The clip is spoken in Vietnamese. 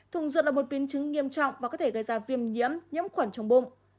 thùng dưa là một biến chứng nghiêm trọng và có thể gây ra viêm nhiễm nhiễm khuẩn trong bụng